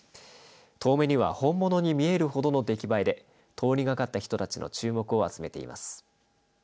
遠目には本物に見えるほどの出来栄えで通りがかった人たちの注目を集めています。